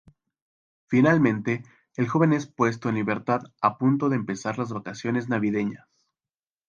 Finalmente, el joven es puesto en libertad a punto de empezar las vacaciones navideñas.